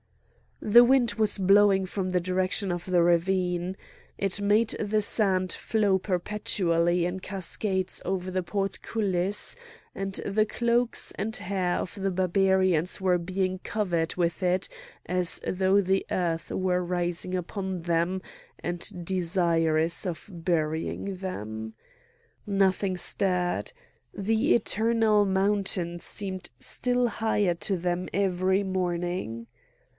The wind was blowing from the direction of the ravine. It made the sand flow perpetually in cascades over the portcullis; and the cloaks and hair of the Barbarians were being covered with it as though the earth were rising upon them and desirous of burying them. Nothing stirred; the eternal mountain seemed still higher to them every morning.